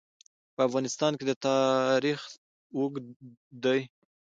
په افغانستان کې د تاریخ تاریخ اوږد دی.